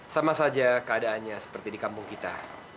sama saja keadaannya seperti di kampung kita